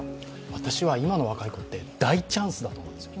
私は今の若い子って大チャンスだと思うんですよ。